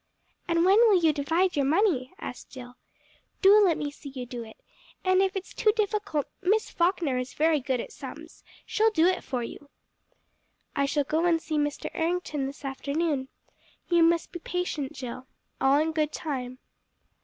"And when will you divide your money?" asked Jill. "Do let me see you do it. And if it's too difficult, Miss Falkner is very good at sums. She'll do it for you." "I shall go and see Mr. Errington this afternoon. You must be patient, Jill. All in good time."